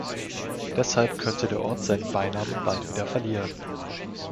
Deshalb könnte der Ort seinen Beinamen bald wieder verlieren.